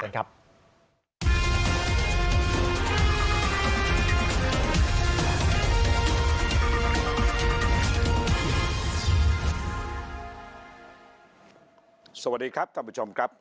สวัสดีครับท่านผู้ชมครับ